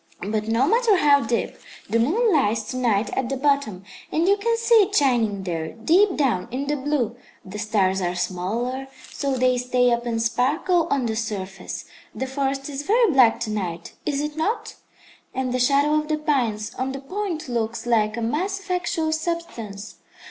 But no matter how deep, the moon lies to night at the bottom, and you can see it shining there, deep down in the blue. The stars are smaller, so they stay up and sparkle on the surface. The forest is very black to night, is it not? and the shadow of the pines on the point looks like a mass of actual substance.